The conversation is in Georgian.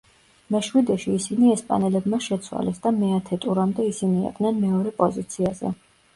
მეშვიდეში ისინი ესპანელებმა შეცვალეს და მეათე ტურამდე ისინი იყვნენ მეორე პოზიციაზე.